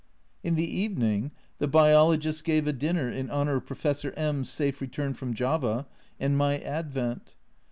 In the evening the Biologists gave a dinner in honour of Professor M \r safe return from Java, and my advent.